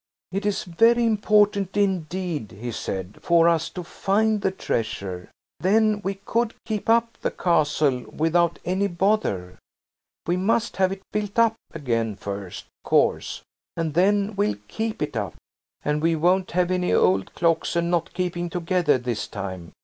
"It is very important indeed," he said, "for us to find the treasure. Then we could 'keep up' the Castle without any bother. We must have it built up again first, of course, and then we'll keep it up. And we won't have any old clocks and not keeping together, this time.